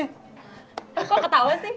kok ketawa sih